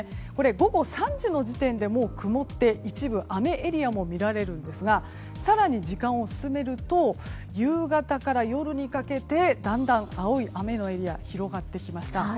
午後３時の時点でもう曇って一部、雨エリアも見られるんですが更に時間を進めると夕方から夜にかけてだんだん青い雨のエリア広がってきました。